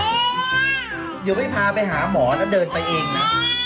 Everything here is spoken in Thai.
เดี๋ยวไม่พาไปหาหมอนะเดินไปเองนะ